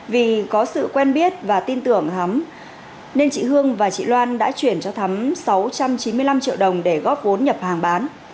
vì có sự quen biết và tin tưởng hắm nên chị hương và chị loan đã chuyển cho thắm sáu trăm chín mươi năm triệu đồng để góp vốn nhập hàng bán